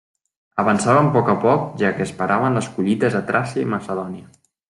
Avançaven a poc a poc, ja que esperaven les collites a Tràcia i Macedònia.